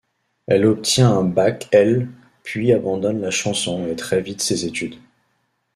Elle obtient un bac L puis abandonne la chanson et très vite ses études.